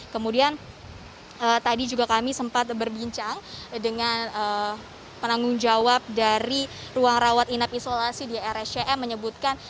kemudian tadi juga kami sempat berbincang dengan penanggung jawab dari ruang rawat inap isolasi di rscm menyebutkan